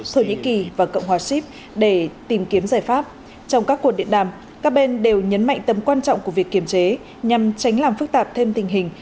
thổ nhĩ kỳ và cộng hòa sip để tìm kiếm giải pháp trong các cuộc điện đàm các bên đều nhấn mạnh tầm quan trọng của việc kiểm chế nhằm tránh làm phức tạp thêm tình hình